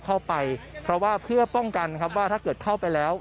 เข้าไปเพราะว่าเพื่อป้องกันครับว่าถ้าเกิดเข้าไปแล้ว